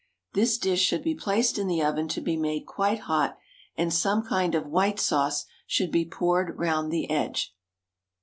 This dish should be placed in the oven, to be made quite hot, and some kind of white sauce should be poured round the edge.